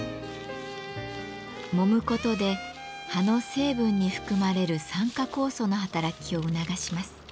もむことで葉の成分に含まれる酸化酵素の働きを促します。